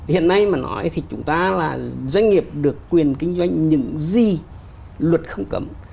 hiện nay mà nói thì chúng ta là doanh nghiệp được quyền kinh doanh những gì luật không cấm